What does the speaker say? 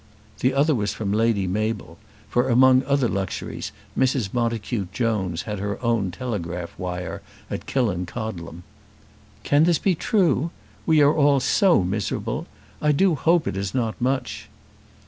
The other was from Lady Mabel, for among other luxuries Mrs. Montacute Jones had her own telegraph wire at Killancodlem. "Can this be true? We are all so miserable. I do hope it is not much."